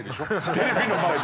テレビの前で。